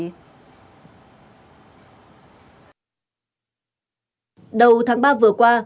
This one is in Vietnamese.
đầu tháng ba vừa qua